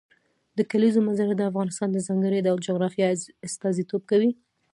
د کلیزو منظره د افغانستان د ځانګړي ډول جغرافیه استازیتوب کوي.